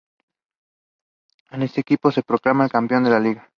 En este equipo se proclama campeón de Liga.